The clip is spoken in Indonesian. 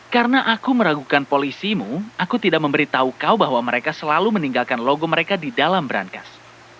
karena aku meragukan polisimu aku tidak memberitahu kau bahwa mereka selalu meninggalkan logo mereka di dalam berangkas